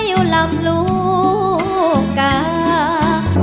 ไปไม่กลับมาเลยฟ้ามภรวย